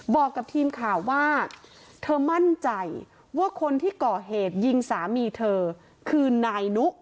บอกกับทีมข่าวว่าเธอมั่นใจว่าคนที่ก่อเหตุยิงสามีเธอคือนายนุ